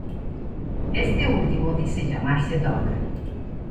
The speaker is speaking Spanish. Este último dice llamarse Dug.